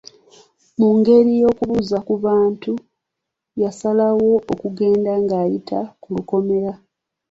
Mu ngeri ey'okubuuza ku bantu yasalawo okugenda ng'ayita ku lukomera.